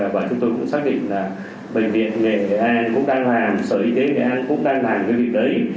và chúng tôi cũng xác định là bệnh viện nghề nghệ an cũng đang làm sở y tế nghệ an cũng đang làm cái việc đấy